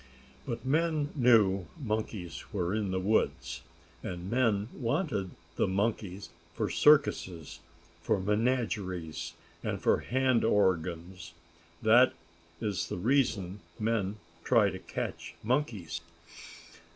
But men knew monkeys were in the woods, and men wanted the monkeys for circuses, for menageries and for hand organs. That is the reason men try to catch monkeys.